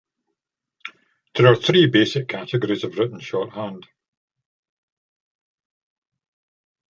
There are three basic categories of written shorthand.